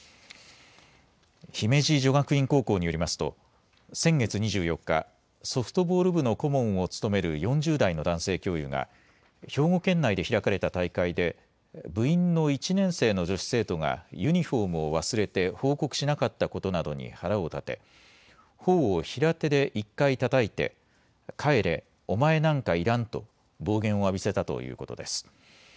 姫路女学院高校によりますと先月２４日、ソフトボール部の顧問を務める４０代の男性教諭が兵庫県内で開かれた大会で部員の１年生の女子生徒がユニホームを忘れて報告しなかったことなどに腹を立てほおを平手で１回たたいて帰れ、お前なんかいらんと暴言を浴びせたということです。